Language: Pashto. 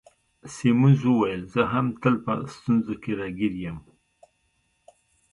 سیمونز وویل: زه هم تل په ستونزو کي راګیر یم.